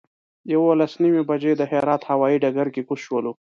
یولس نیمې بجې د هرات هوایي ډګر کې کوز شولو.